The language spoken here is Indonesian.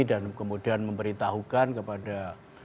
dan kemudian untuk keamanan residen dan kemudian keamanan politik